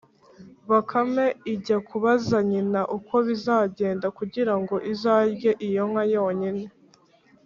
bakame ijya kubaza nyina, uko bizagenda kugira ngo izarye iyo nka yonyine.